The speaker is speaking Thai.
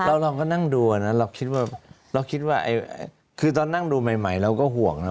เราลองก็นั่งดูเราคิดว่าคือตอนนั่งดูใหม่เราก็ห่วงนะ